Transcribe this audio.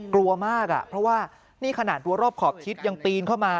กลัวมากอ่ะเพราะว่านี่ขนาดรัวรอบขอบชิดยังปีนเข้ามา